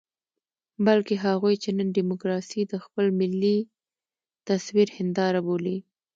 بلکې هغوی چې نن ډيموکراسي د خپل ملي تصوير هنداره بولي.